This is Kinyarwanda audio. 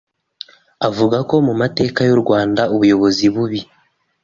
avuga ko mu mateka y’u Rwanda ubuyobozi bubi